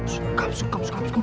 sengkam sengkam sengkam